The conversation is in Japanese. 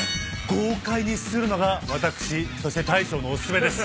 豪快にすするのが私そして大将のお勧めです。